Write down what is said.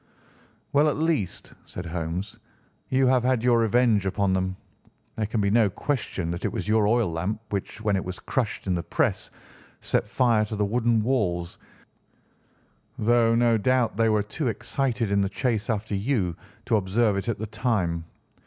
"Well, at least," said Holmes, "you have had your revenge upon them. There can be no question that it was your oil lamp which, when it was crushed in the press, set fire to the wooden walls, though no doubt they were too excited in the chase after you to observe it at the time.